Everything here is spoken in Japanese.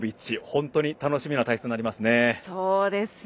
本当に楽しみな対戦になりますね。